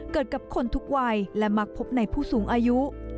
เกิดกับคนทุกวัยและมักพบในผู้สูงอายุ